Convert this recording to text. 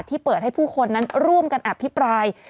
เปิดให้ผู้คนนั้นร่วมกันอภิปราย